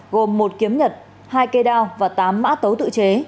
gồm một kiếm nhật hai cây đao và tám mã tấu tự chế